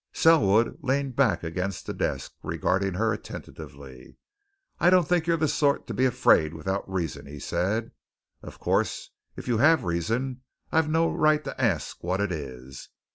Selwood leaned back against the desk, regarding her attentively. "I don't think you're the sort to be afraid without reason," he said. "Of course, if you have reason, I've no right to ask what it is.